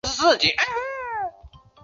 椰树广泛分布于除高地之外的地区。